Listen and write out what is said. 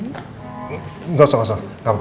enggak usah enggak usah enggak apa apa